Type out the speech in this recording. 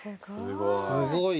すごい。